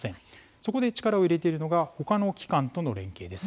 そこで力を入れているのが他の機関との連携です。